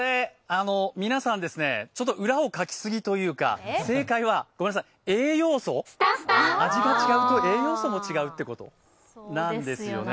皆さん、ちょっと裏をかきすぎというか正解は栄養素、味が違うと栄養素も違うということなんですね。